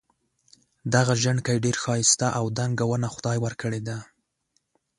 دغه ژڼکی ډېر ښایسته او دنګه ونه خدای ورکړي ده.